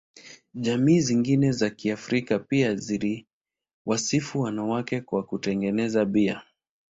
Jamii zingine za Kiafrika pia ziliwasifu wanawake kwa kutengeneza bia.